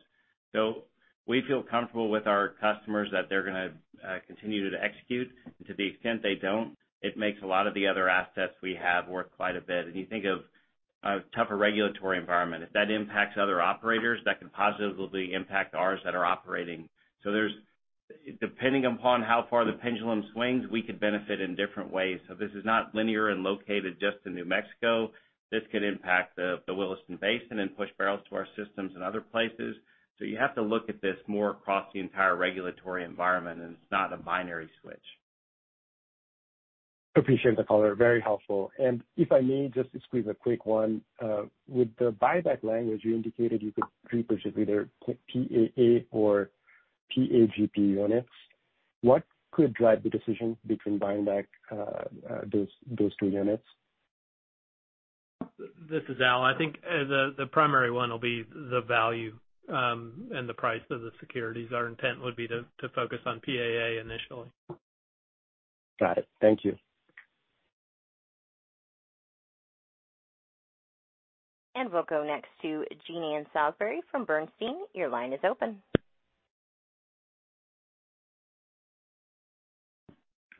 We feel comfortable with our customers that they're going to continue to execute. To the extent they don't, it makes a lot of the other assets we have worth quite a bit. If you think of a tougher regulatory environment, if that impacts other operators, that can positively impact ours that are operating. Depending upon how far the pendulum swings, we could benefit in different ways. This is not linear and located just in New Mexico. This could impact the Williston Basin and push barrels to our systems in other places. You have to look at this more across the entire regulatory environment, and it's not a binary switch. Appreciate the color. Very helpful. If I may just squeeze a quick one. With the buyback language, you indicated you could repurchase either PAA or PAGP units. What could drive the decision between buying back those two units? This is Al. I think the primary one will be the value and the price of the securities. Our intent would be to focus on PAA initially. Got it. Thank you. We'll go next to Jean Ann Salisbury from Bernstein. Your line is open.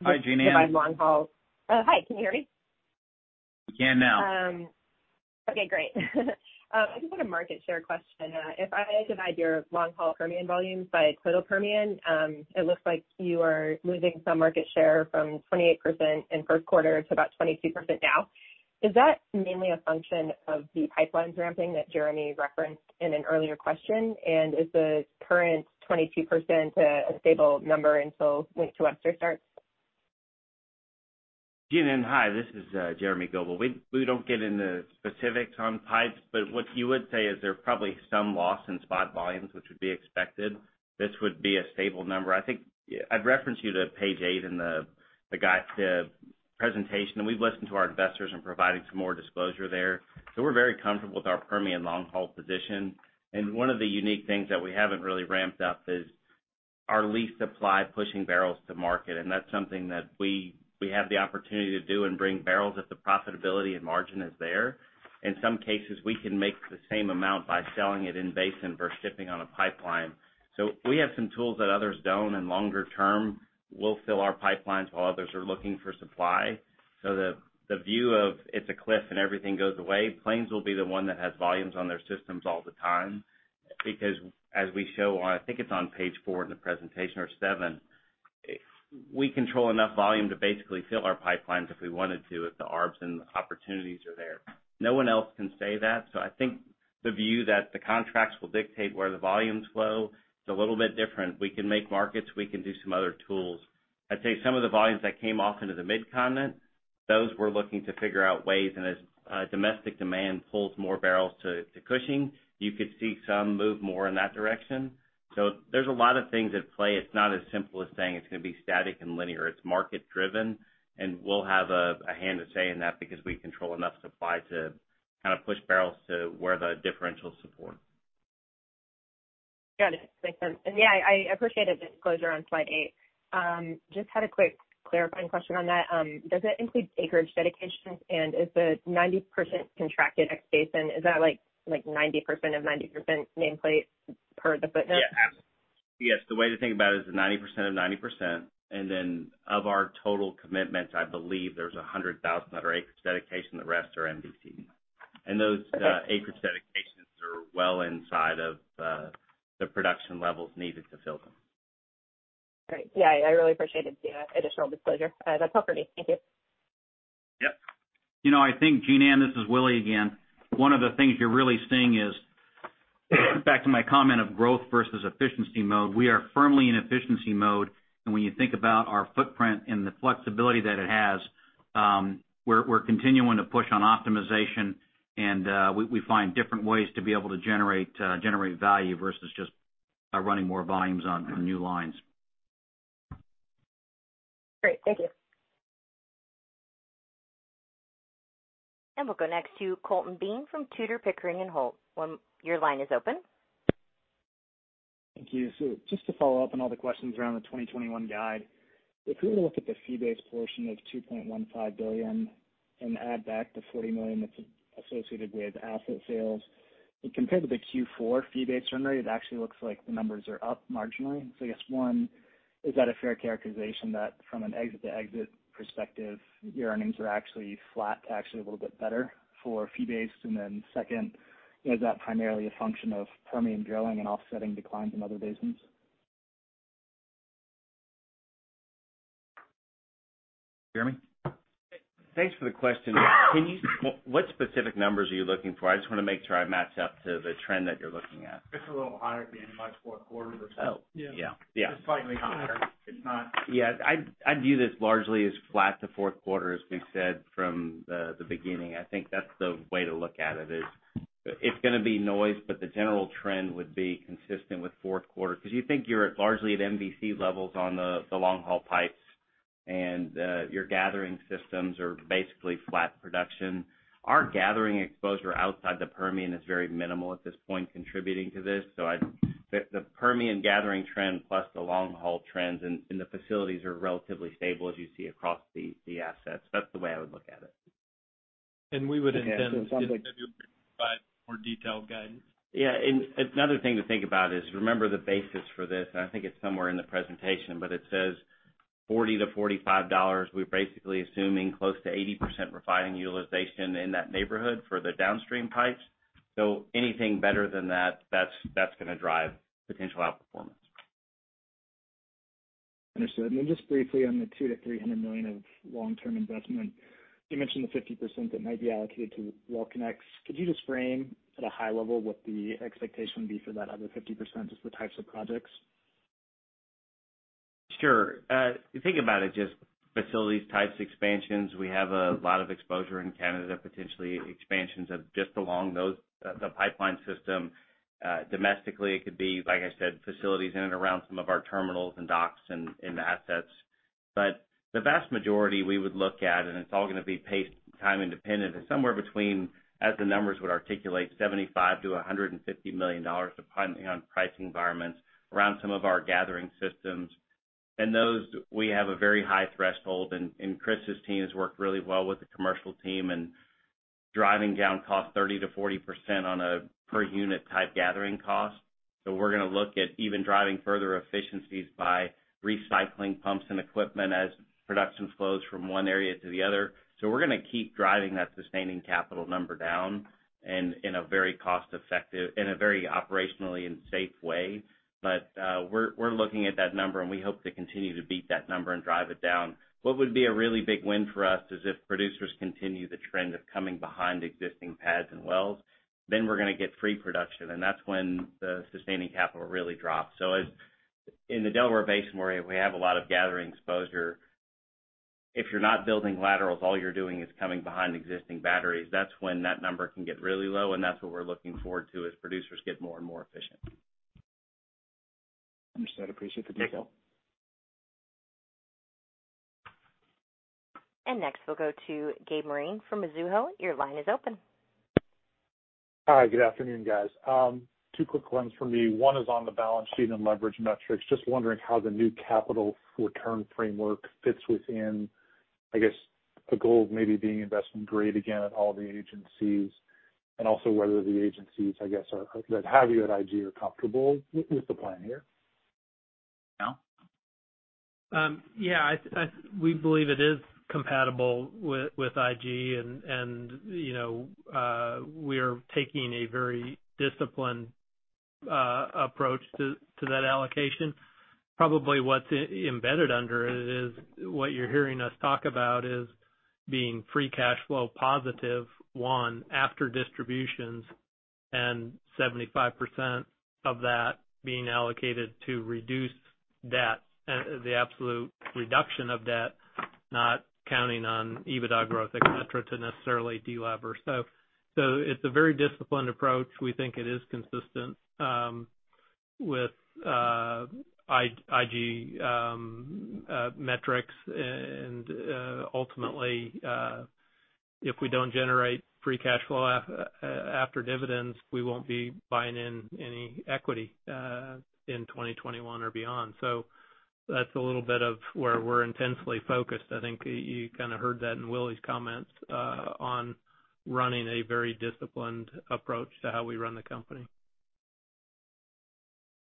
Hi, Jean Ann. Oh, hi. Can you hear me? Yeah, now. Okay, great. I just had a market share question. If I divide your long-haul Permian volumes by total Permian, it looks like you are losing some market share from 28% in first quarter to about 22% now. Is that mainly a function of the pipeline ramping that Jeremy referenced in an earlier question? Is the current 22% a stable number until Wink to Webster starts? Jean Ann, hi, this is Jeremy Goebel. We don't get into specifics on pipes, but what you would say is there are probably some loss in spot volumes which would be expected. This would be a stable number. I think I'd reference you to page eight in the guide to presentation, and we've listened to our investors in providing some more disclosure there. We're very comfortable with our Permian long-haul position. One of the unique things that we haven't really ramped up is our lease supply pushing barrels to market, and that's something that we have the opportunity to do and bring barrels if the profitability and margin is there. In some cases, we can make the same amount by selling it in basin versus shipping on a pipeline. We have some tools that others don't, and longer term, we'll fill our pipelines while others are looking for supply. The view of it's a cliff and everything goes away, Plains will be the one that has volumes on their systems all the time. As we show on, I think it's on page four in the presentation or seven, we control enough volume to basically fill our pipelines if we wanted to, if the arbs and opportunities are there. No one else can say that. The view that the contracts will dictate where the volumes flow, it's a little bit different. We can make markets, we can do some other tools. I'd say some of the volumes that came off into the Mid-Continent, those we're looking to figure out ways, and as domestic demand pulls more barrels to Cushing, you could see some move more in that direction. There's a lot of things at play. It's not as simple as saying it's going to be static and linear. It's market-driven, and we'll have a hand to say in that because we control enough supply to kind of push barrels to where the differential support. Got it. Makes sense. Yeah, I appreciate the disclosure on slide eight. Just had a quick clarifying question on that. Does that include acreage dedications, and is the 90% contracted ex-basin, is that like 90% of 90% nameplate per the footnote? Yes. The way to think about it is the 90% of 90%. Then of our total commitments, I believe there's 100,000 that are acreage dedication, the rest are MVC. Those acreage dedications are well inside of the production levels needed to fill them. Great. Yeah, I really appreciate it, the additional disclosure. That's all for me. Thank you. Yep. I think, Jean Ann, this is Willie again. One of the things you're really seeing is, back to my comment of growth versus efficiency mode, we are firmly in efficiency mode. When you think about our footprint and the flexibility that it has, we're continuing to push on optimization and we find different ways to be able to generate value versus just running more volumes on new lines. Great. Thank you. We'll go next to Colton Bean from Tudor, Pickering & Holt. Your line is open. Thank you. Just to follow up on all the questions around the 2021 guide. If we were to look at the fee-based portion of $2.15 billion and add back the $40 million that's associated with asset sales, but compared to the Q4 fee-based revenue, it actually looks like the numbers are up marginally. I guess, one, is that a fair characterization that from an exit-to-exit perspective, your earnings are actually flat to actually a little bit better for fee-based? Second, is that primarily a function of Permian drilling and offsetting declines in other basins? Jeremy? Thanks for the question. What specific numbers are you looking for? I just want to make sure I match up to the trend that you're looking at. It's a little higher than last fourth quarter. Oh, yeah. Just slightly higher. Yeah, I view this largely as flat to fourth quarter, as we've said from the beginning. I think that's the way to look at it is, it's going to be noise, but the general trend would be consistent with fourth quarter. You think you're largely at MVC levels on the long-haul pipes, and your gathering systems are basically flat production. Our gathering exposure outside the Permian is very minimal at this point contributing to this. I think the Permian gathering trend plus the long-haul trends in the facilities are relatively stable as you see across the assets. That's the way I would look at it. We would intend to provide more detailed guidance. Yeah. Another thing to think about is, remember the basis for this, and I think it's somewhere in the presentation, but it says $40-$45, we're basically assuming close to 80% refining utilization in that neighborhood for the downstream pipes. Anything better than that's going to drive potential outperformance. Understood. Just briefly on the $2 million-$300 million of long-term investment, you mentioned the 50% that might be allocated to well connects. Could you just frame at a high level what the expectation would be for that other 50%, just the types of projects? Sure. If you think about it, just facilities types expansions. We have a lot of exposure in Canada, potentially expansions of just along those, the pipeline system. Domestically, it could be, like I said, facilities in and around some of our terminals and docks and assets. The vast majority we would look at, and it's all going to be paced time independent, is somewhere between, as the numbers would articulate, $75 million-$150 million, depending on price environments, around some of our gathering systems. Those, we have a very high threshold, and Chris's team has worked really well with the commercial team in driving down cost 30%-40% on a per unit type gathering cost. We're going to look at even driving further efficiencies by recycling pumps and equipment as production flows from one area to the other. We're going to keep driving that sustaining capital number down in a very cost-effective, in a very operationally and safe way. We're looking at that number, and we hope to continue to beat that number and drive it down. What would be a really big win for us is if producers continue the trend of coming behind existing pads and wells, then we're going to get free production, and that's when the sustaining capital really drops. In the Delaware Basin, where we have a lot of gathering exposure, if you're not building laterals, all you're doing is coming behind existing batteries. That's when that number can get really low, and that's what we're looking forward to as producers get more and more efficient. Understood. Appreciate the detail. Next, we'll go to Gabe Moreen from Mizuho. Your line is open. Hi, good afternoon, guys. Two quick ones from me. One is on the balance sheet and leverage metrics. Just wondering how the new capital return framework fits within, I guess, the goal of maybe being investment grade again at all the agencies. Also whether the agencies, I guess, that have you at IG are comfortable with the plan here. Al? Yeah. We believe it is compatible with IG, and we are taking a very disciplined approach to that allocation. Probably what's embedded under it is what you're hearing us talk about is being free cash flow positive, one, after distributions and 75% of that being allocated to reduce debt. The absolute reduction of debt, not counting on EBITDA growth, et cetera, to necessarily delever. It's a very disciplined approach. We think it is consistent with IG metrics. Ultimately, if we don't generate free cash flow after dividends, we won't be buying in any equity, in 2021 or beyond. That's a little bit of where we're intensely focused. I think you kind of heard that in Willie's comments, on running a very disciplined approach to how we run the company.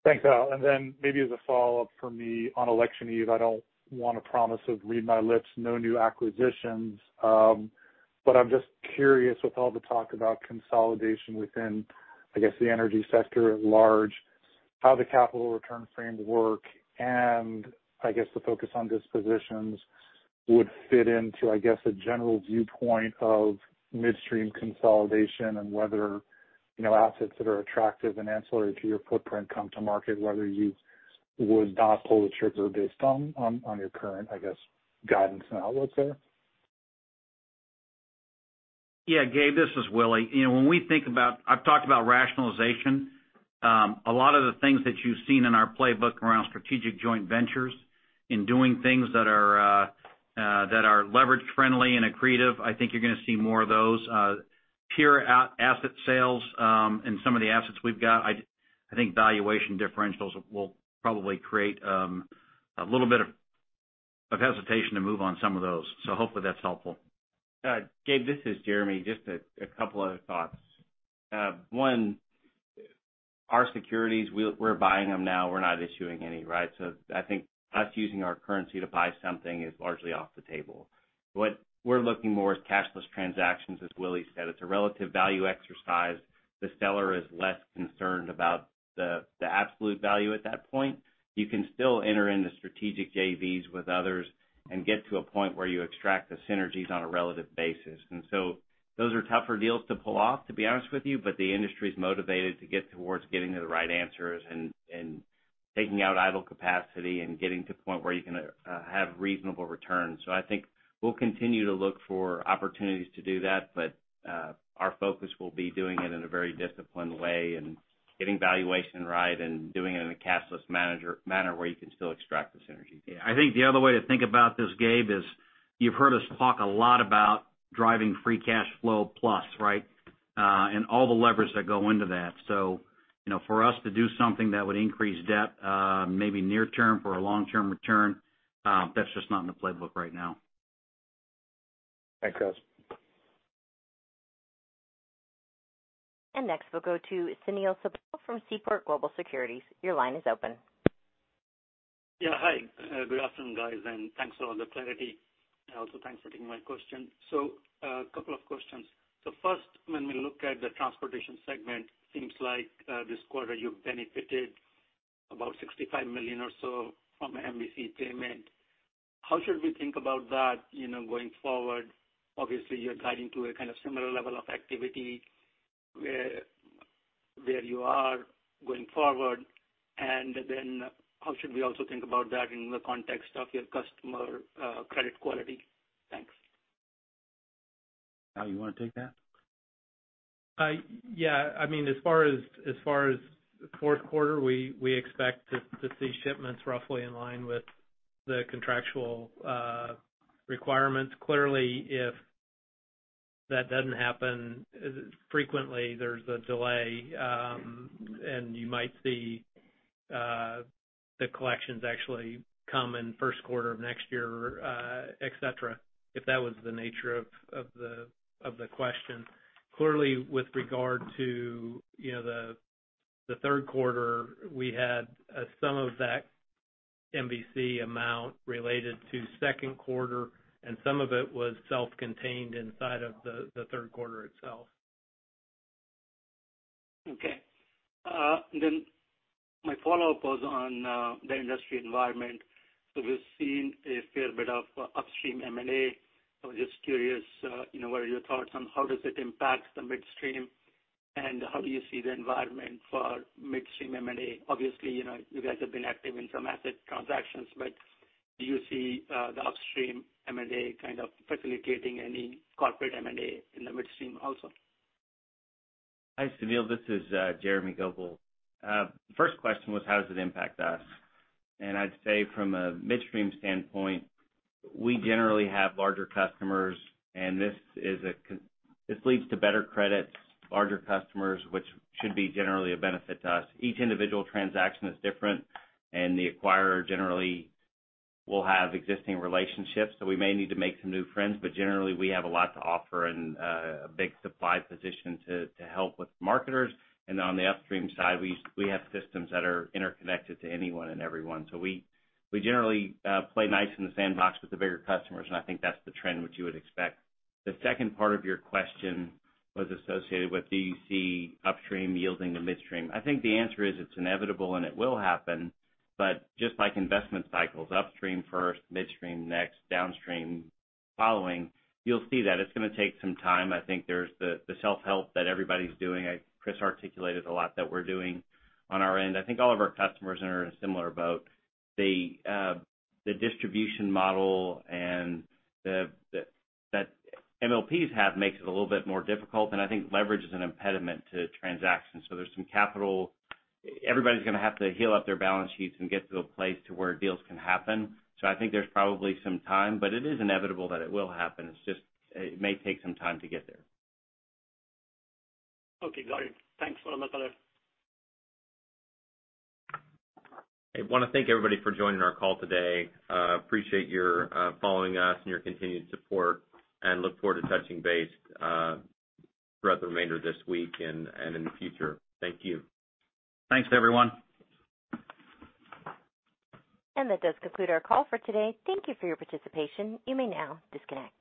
Thanks, Al. Maybe as a follow-up from me on election eve, I don't want a promise of read my lips, no new acquisitions. I'm just curious, with all the talk about consolidation within, I guess, the energy sector at large, how the capital return framework, and I guess the focus on dispositions would fit into, I guess, a general viewpoint of midstream consolidation and whether assets that are attractive and ancillary to your footprint come to market, whether you would not pull the trigger based on your current, I guess, guidance and outlook there. Yeah, Gabe, this is Willie. I've talked about rationalization. A lot of the things that you've seen in our playbook around strategic joint ventures, in doing things that are leverage friendly and accretive, I think you're going to see more of those. Pure asset sales in some of the assets we've got, I think valuation differentials will probably create a little bit of hesitation to move on some of those. Hopefully that's helpful. Gabe, this is Jeremy. Just a couple other thoughts. One, our securities, we're buying them now. We're not issuing any, right? I think us using our currency to buy something is largely off the table. What we're looking more is cashless transactions, as Willie said. It's a relative value exercise. The seller is less concerned about the absolute value at that point. You can still enter into strategic JVs with others and get to a point where you extract the synergies on a relative basis. Those are tougher deals to pull off, to be honest with you, but the industry is motivated to get towards getting to the right answers and taking out idle capacity and getting to a point where you can have reasonable returns. I think we'll continue to look for opportunities to do that, but our focus will be doing it in a very disciplined way and getting valuation right and doing it in a cashless manner where you can still extract the synergy. I think the other way to think about this, Gabe, is you've heard us talk a lot about driving free cash flow plus, right? All the levers that go into that. For us to do something that would increase debt, maybe near term for a long-term return, that's just not in the playbook right now. Thanks, guys. Next, we'll go to Sunil Sibal from Seaport Global Securities. Your line is open. Yeah. Hi. Good afternoon, guys, and thanks for all the clarity. Thanks for taking my question. A couple of questions. First, when we look at the transportation segment, seems like this quarter you benefited about $65 million or so from MVC payment. How should we think about that going forward? Obviously, you're guiding to a kind of similar level of activity where you are going forward. How should we also think about that in the context of your customer credit quality? Thanks. Al, you want to take that? Yeah. As far as fourth quarter, we expect to see shipments roughly in line with the contractual requirements. Clearly, if that doesn't happen frequently, there's a delay, and you might see the collections actually come in first quarter of next year, et cetera, if that was the nature of the question. Clearly, with regard to the third quarter, we had a sum of that MVC amount related to second quarter, and some of it was self-contained inside of the third quarter itself. Okay. My follow-up was on the industry environment. We've seen a fair bit of upstream M&A. I was just curious, what are your thoughts on how does it impact the midstream, and how do you see the environment for midstream M&A? Obviously, you guys have been active in some asset transactions, do you see the upstream M&A kind of facilitating any corporate M&A in the midstream also? Hi, Sunil, this is Jeremy Goebel. First question was how does it impact us? I'd say from a midstream standpoint, we generally have larger customers, and this leads to better credits, larger customers, which should be generally a benefit to us. Each individual transaction is different, and the acquirer generally will have existing relationships. We may need to make some new friends, but generally, we have a lot to offer and a big supply position to help with marketers. On the upstream side, we have systems that are interconnected to anyone and everyone. We generally play nice in the sandbox with the bigger customers, and I think that's the trend which you would expect. The second part of your question was associated with do you see upstream yielding to midstream? I think the answer is it's inevitable and it will happen. Just like investment cycles, upstream first, midstream next, downstream following, you'll see that it's going to take some time. I think there's the self-help that everybody's doing. Chris articulated a lot that we're doing on our end. I think all of our customers are in a similar boat. The distribution model that MLPs have makes it a little bit more difficult, and I think leverage is an impediment to transactions. There's some capital everybody's going to have to heal up their balance sheets and get to a place to where deals can happen. I think there's probably some time, but it is inevitable that it will happen. It may take some time to get there. Okay, got it. Thanks for all the color. I want to thank everybody for joining our call today. Appreciate your following us and your continued support and look forward to touching base throughout the remainder of this week and in the future. Thank you. Thanks, everyone. That does conclude our call for today. Thank you for your participation. You may now disconnect.